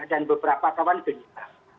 dan beberapa kawan gelisah